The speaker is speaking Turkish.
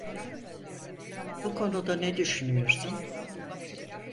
Bu konuda ne düşünüyorsun?